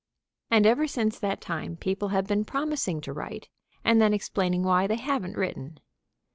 And ever since that time people have been promising to write, and then explaining why they haven't written.